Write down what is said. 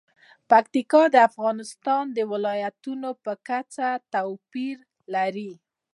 پکتیکا د افغانستان د ولایاتو په کچه توپیر لري.